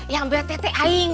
yang betete aing